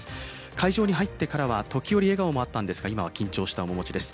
会場に入ってからは時折笑顔もあったんですが今は緊張の面持ちです。